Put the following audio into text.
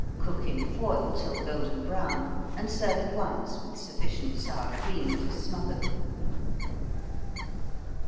Cook in foil till golden brown and serve at once with sufficient sour cream to smother them.